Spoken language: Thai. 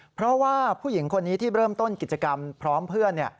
เพราะว่าผู้หญิงคนนี้ที่เริ่มต้นกิจกรรมพร้อมเพื่อน